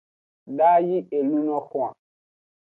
Da yi e luno xwan.